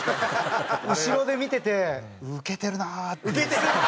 後ろで見ててウケてるなあっていう。